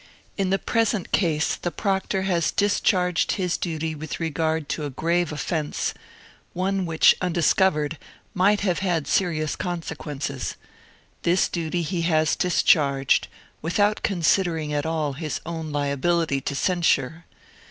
In the present case the proctor has discharged his duty with regard to a grave ofiFence, one which undiscovered might have had serious consequences; this duty he has discharged without considering at all his own liability to censure.